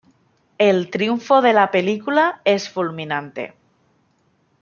El triunfo de la película es fulminante.